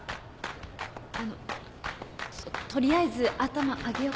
あの取りあえず頭上げよっか。